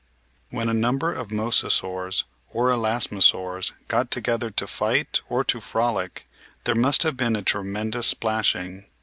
When a number of Mosasaurs or Elasmosaurs got together to fight or to frolic there must have been a tremendous splashing.